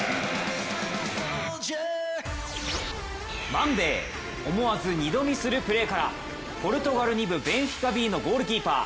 マンデー、思わず二度見するプレーからポルトガル２部ベンフィカＢのボールキーパー。